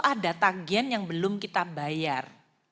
ada tagian yang belum kita bayar